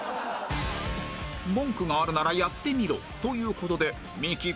「文句があるならやってみろ！」という事でミキ昴